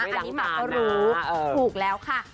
อันนี้หมาก็รู้ถูกแล้วค่ะ